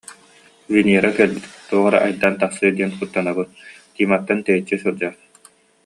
Венера кэлбит, туох эрэ айдаан тахсыа диэн куттанабын, Тиматтан тэйиччи сылдьаар